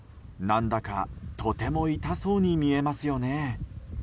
何だかとても痛そうに見えますよね。